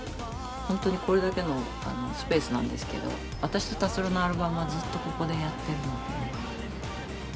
ほんとにこれだけのスペースなんですけど私と達郎のアルバムはずっとここでやってるので。